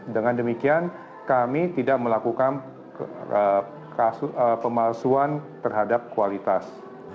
dengan demikian kami tidak melakukan pemalsuan terhadap kualitas